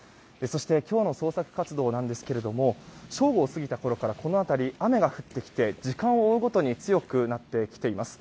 そして今日の捜索活動なんですが正午を過ぎたころからこの辺り、雨が降ってきて時間を追うごとに強くなってきています。